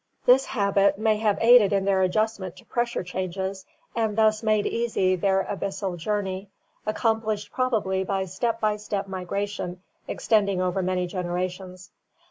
This habit may have aided in their adjust ment to pressure changes and thus made easy their abyssal journey, accomplished probably by step by step migration extending over many generations.